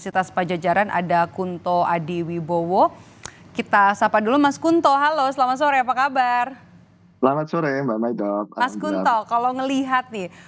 mas kunto kalau melihat nih